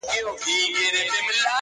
دبدبه د حُسن وه چي وحسي رام سو